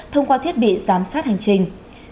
thông qua thiết bị giám sát hành trình